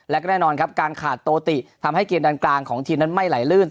และก็แน่นอนครับการขาดโตติทำให้เกมดันกลางของทีมนั้นไม่ไหลลื่น